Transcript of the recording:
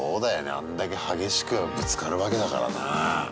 あんだけ激しくぶつかるわけだからね。